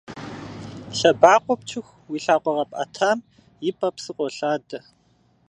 Лъэбакъуэ пчыху, уи лъакъуэ къэпӀэтам и пӀэ псы къолъадэ.